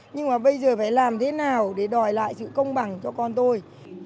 nhưng mà bây giờ phải làm thế nào để đòi lại sự công bằng cho con tôi